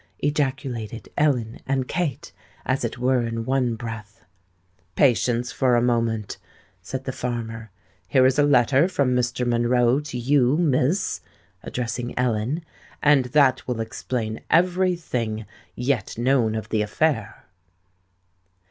ejaculated Ellen and Kate, as it were in one breath. "Patience for a moment," said the farmer. "Here is a letter from Mr. Monroe to you, Miss,"—addressing Ellen; "and that will explain every thing yet known of the affair."